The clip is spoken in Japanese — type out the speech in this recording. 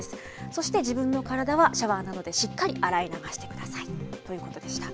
そして自分の体はシャワーなどでしっかり洗い流してくださいということでした。